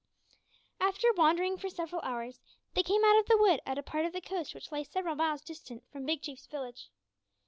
After wandering for several hours, they came out of the wood at a part of the coast which lay several miles distant from Big Chief's village.